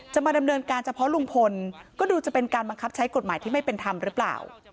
มาดำเนินการเฉพาะลุงพลก็ดูจะเป็นการบังคับใช้กฎหมายที่ไม่เป็นธรรมหรือเปล่า